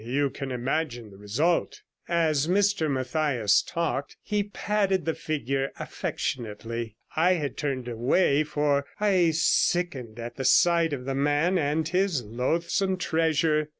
You can imagine the result.' As Mr Mathias talked, he patted the figure affectionately. I had turned away, for I sickened at the sight of the man and his loathsome treasure.